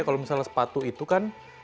kalau misalnya sepatu itu kan